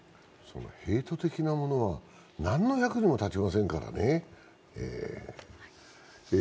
ヘイト的なものは何の役にも立ちませんからね。